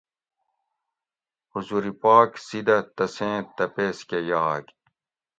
حضور پاک سِیدہ تسیں تپیس کٞہ یاگ